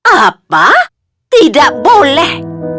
apa tidak boleh